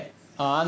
ああ。